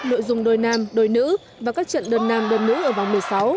nội dung đôi nam đôi nữ và các trận đơn nam đơn nữ ở vòng một mươi sáu